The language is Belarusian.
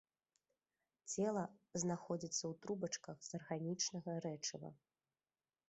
Цела знаходзіцца ў трубачках з арганічнага рэчыва.